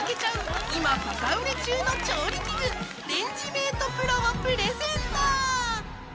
今バカ売れ中の調理器具レンジメートプロをプレゼント！